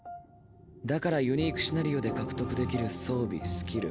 だからユニークシナリオで獲得できる装備スキル